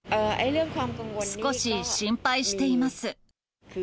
少し心配しています。